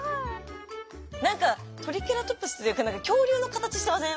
何かトリケラトプスっていうか恐竜の形してません？